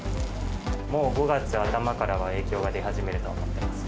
もう５月頭からは影響が出始めると思ってます。